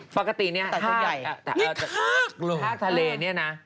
ปกตินี่ทากทะเลนี่นะ